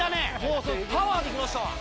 パワーでいきましたわ。